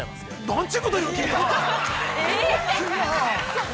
◆何ちゅうこと言うの、君は。